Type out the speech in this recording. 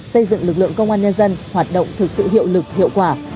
xây dựng lực lượng công an nhân dân hoạt động thực sự hiệu lực hiệu quả